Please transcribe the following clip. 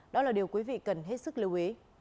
đó là điều quý vị cần hết sức lưu ý